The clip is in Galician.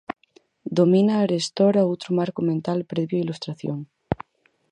Domina arestora outro marco mental previo á Ilustración.